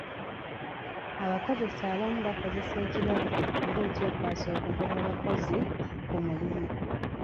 Abakozesa abamu bakozesa ekirwadde nga ekyekwaso okugoba abakozi ku mulimu.